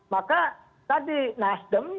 maka tadi nasdem